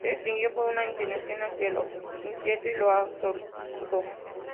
Se distinguió por una inclinación hacia lo incierto y a lo absurdo.